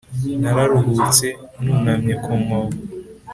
nararuhutse, nunamye ku mwobo.